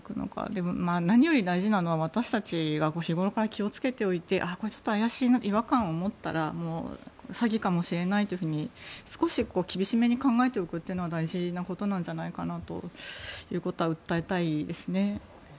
でも、何より大事なのは私たちが日頃から気をつけておいてこれ、ちょっと怪しいなと違和感を思ったら詐欺かもしれないと少し厳しめに考えておくのは大事なことなんじゃないかなということは訴えたいですね。